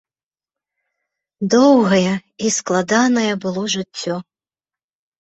Доўгае і складанае было жыццё.